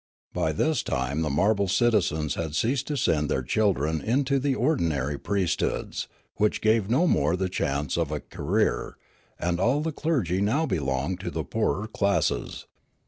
By this time the marble citizens had ceased to send their children into the ordinary priesthoods, which gave no more the chance of a career, and all the clergy now belonged to the poorer classes.